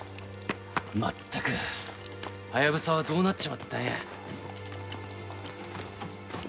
まったくハヤブサはどうなっちまったんや？